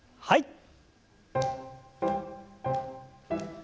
はい。